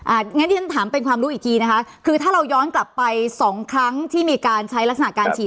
งั้นที่ฉันถามเป็นความรู้อีกทีนะคะคือถ้าเราย้อนกลับไปสองครั้งที่มีการใช้ลักษณะการฉีด